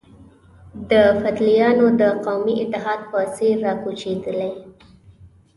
د یفتلیانو د قومي اتحاد په څېر را کوچېدلي.